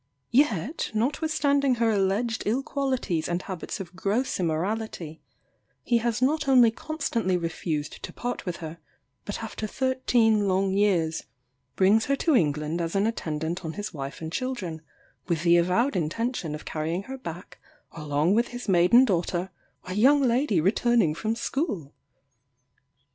Yet, notwithstanding her alleged ill qualities and habits of gross immorality, he has not only constantly refused to part with her; but after thirteen long years, brings her to England as an attendant on his wife and children, with the avowed intention of carrying her back along with his maiden daughter, a young lady returning from school!